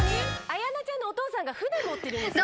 綾菜ちゃんのお父さんが船持ってるんですよ。